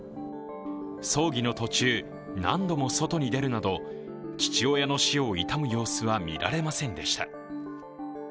葬儀の途中、何度も外に出るなど父親の死を悼む様子は見られませんでした。